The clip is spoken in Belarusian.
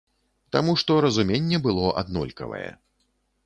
Таму што разуменне было аднолькавае.